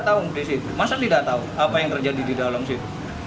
dua tahun disitu masa tidak tahu apa yang terjadi di dalam situ